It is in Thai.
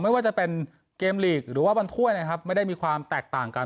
ไม่ว่าจะเป็นเกมลีกหรือว่าบอลถ้วยนะครับไม่ได้มีความแตกต่างกัน